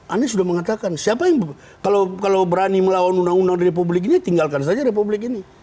anies sudah mengatakan siapa yang kalau berani melawan undang undang di republik ini tinggalkan saja republik ini